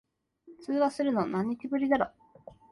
通話するの、何日ぶりだろ。